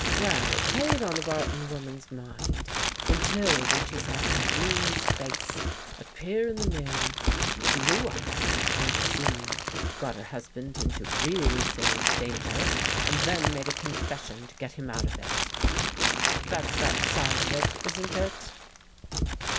Well, it preyed on the Barton woman's mind, until when she saw Irene's face appear in the mirror, 145 THE GHOST GIRL j she blew up, made a scene, got her husband into i really serious danger and then made a confession to | eet him out of it. That's about the size of it, isn't i it?"